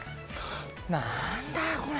何だよこれ。